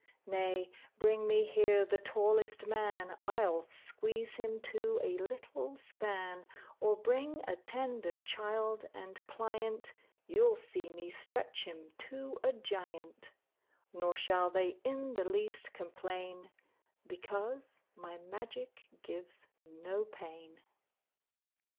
Nay, bring me here the tallest man, I'll squeeze him to a little span; Or bring a tender child, and pliant, You'll see me stretch him to a giant: Nor shall they in the least complain, Because my magic gives no pain.